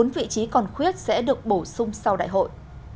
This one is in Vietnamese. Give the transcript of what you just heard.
bốn vị trí còn khuyết sẽ được bổ sung sau đại hội